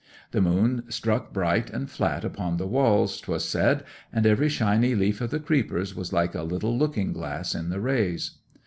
The moon struck bright and flat upon the walls, 'twas said, and every shiny leaf of the creepers was like a little looking glass in the rays.